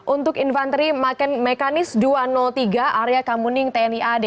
untuk infanteri mekanis dua ratus tiga area kamuning tni ad